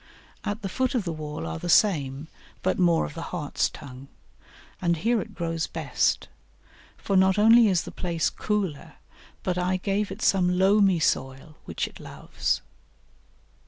At the foot of the wall are the same, but more of the Hartstongue; and here it grows best, for not only is the place cooler, but I gave it some loamy soil, which it loves.